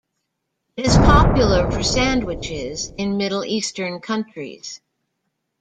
It is popular for sandwiches in Middle Eastern countries.